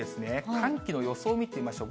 寒気の予想を見てみましょう。